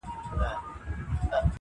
o چي قاضي څه کوي زه ډېر په شرمېږم,